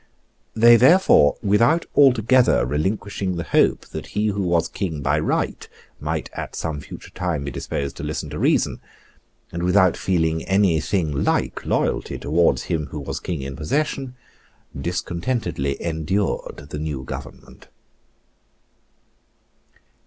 They therefore, without altogether relinquishing the hope that he who was King by right might at some future time be disposed to listen to reason, and without feeling any thing like loyalty towards him who was King in possession, discontentedly endured the new government.